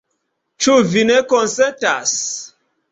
Ĉu vi ne konsentas?